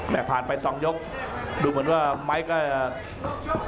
แม่ผ่านไป๒ยกดูเหมือนว่าไมค์ก็